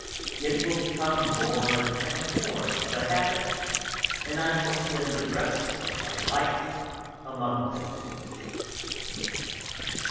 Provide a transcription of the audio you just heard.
It will become more and more of a habit, and I shall spend the rest of my life among them."